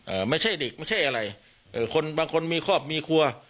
เอ่อไม่ใช่เด็กไม่ใช่อะไรเอ่อคนบางคนมีครอบครัวมีครัว